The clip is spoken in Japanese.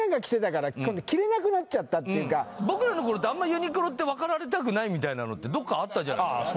やっぱね僕らの頃ってあんまユニクロって分かられたくないみたいなのってどっかあったじゃないですか